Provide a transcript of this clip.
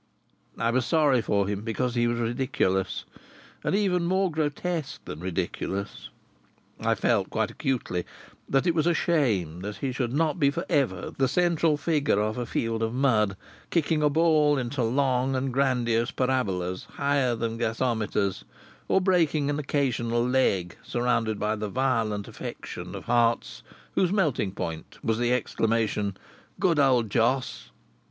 I was sorry for him because he was ridiculous and even more grotesque than ridiculous. I felt, quite acutely, that it was a shame that he could not be for ever the central figure of a field of mud, kicking a ball into long and grandiose parabolas higher than gasometers, or breaking an occasional leg, surrounded by the violent affection of hearts whose melting point was the exclamation, "Good old Jos!"